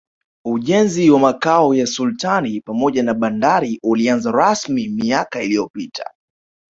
Ujenzi wa Makao ya Sultani pamoja na bandari ulianza rasmi miaka iliyopita